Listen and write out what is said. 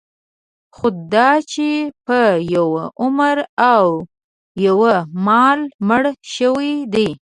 خوداچې په یوه عمر او یوه مهال مړه شوي دي.